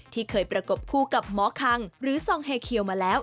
ที่เคยประกบคู่กับหมอคังหรือซองเฮเคียวมาแล้ว